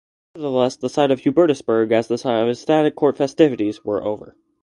Nevertheless, the days of Hubertusburg as the site of ecstatic court festivities were over.